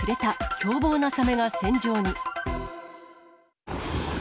凶暴なサメが船上に。